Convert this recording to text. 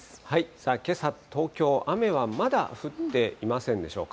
さあ、けさ、東京、雨はまだ降っていませんでしょうか。